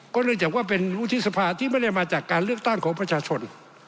เนื่องจากว่าเป็นวุฒิสภาที่ไม่ได้มาจากการเลือกตั้งของประชาชน